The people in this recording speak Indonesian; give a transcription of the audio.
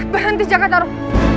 berhenti jakarta ruh